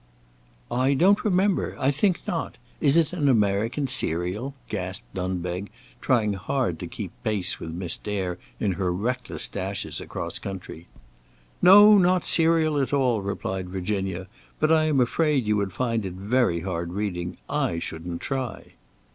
"I don't remember; I think not. Is it an American serial?" gasped Dunbeg, trying hard to keep pace with Miss Dare in her reckless dashes across country. "No, not serial at all!" replied Virginia; "but I am afraid you would find it very hard reading. I shouldn't try."